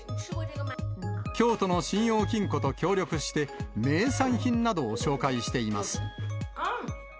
京都の信用金庫と協力して、名産品などを紹介しています。